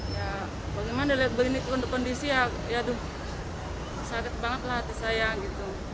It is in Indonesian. ya kalau memang dilihat begini kondisi ya aduh sakit banget lah hati saya gitu